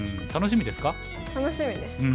楽しみですか？